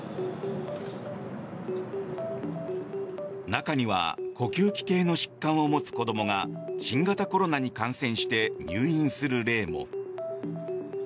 中には呼吸器系の疾患を持つ子どもが新型コロナに感染して入院する例も。